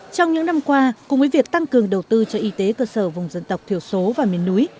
trong những năm qua cùng với việc tăng cường đầu tư cho y tế cơ sở vùng dân tộc thiểu số và miền núi